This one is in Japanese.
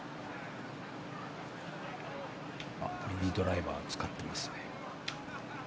ミニドライバーを使ってますね。